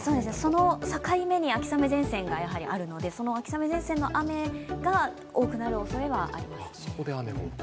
その境目に秋雨前線があるのでその秋雨前線の雨が多くなるおそれはありますね。